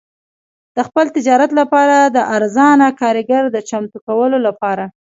د خپل تجارت لپاره د ارزانه کارګرو د چمتو کولو لپاره.